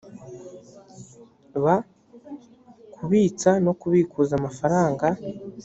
b kubitsa no kubikuza amafaranga